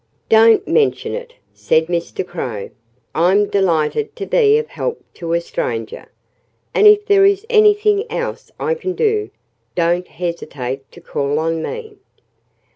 "Don't mention it!" said Mr. Crow. "I'm delighted to be of help to a stranger. And if there is anything else I can do, don't hesitate to call on me."